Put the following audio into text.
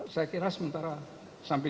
saya kira sementara sampai